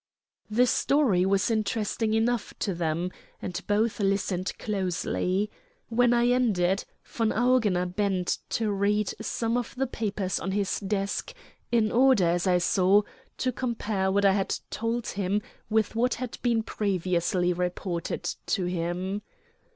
The story was interesting enough to them, and both listened closely. When I ended, von Augener bent to read some of the papers on his desk, in order, as I saw, to compare what I had told him with what had been previously reported to him.